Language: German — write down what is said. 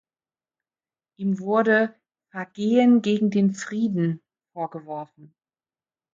Ihm wurde "„Vergehen gegen den Frieden“" vorgeworfen.